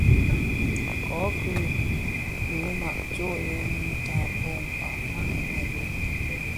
Kōki kilènga tsom yè mutafog kpag manyu a bhëg.